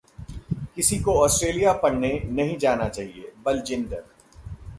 किसी को ऑस्ट्रेलिया पढ़ने नहीं जाना चाहिए: बलजिंदर